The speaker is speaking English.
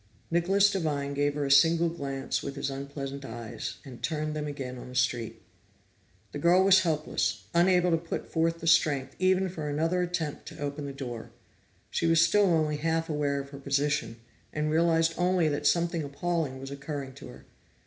Nicholas Devine gave her a single glance with his unpleasant eyes, and turned them again on the street. The girl was helpless, unable to put forth the strength even for another attempt to open the door. She was still only half aware of her position, and realized only that something appalling was occurring to her.